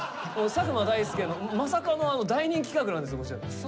佐久間大介のまさかの大人気企画なんですよこちら。